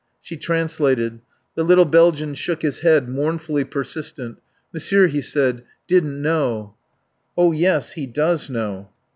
She translated. The little Belgian shook his head, mournfully persistent. "Monsieur," he said, "didn't know." "Oh yes, he does know."